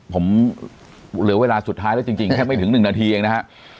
ผมเหลือเวลาสุดท้ายแล้วจริงแค่ไม่ถึง๑นาทีเองนะฮะ